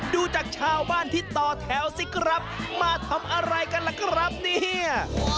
ดูจากชาวบ้านที่ต่อแถวสิครับมาทำอะไรกันล่ะครับเนี่ย